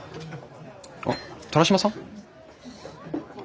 あっ田良島さん？